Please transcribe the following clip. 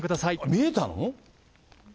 見えたの？